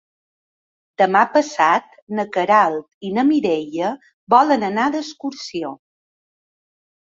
Demà passat na Queralt i na Mireia volen anar d'excursió.